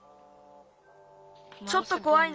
ちょっとこわいな。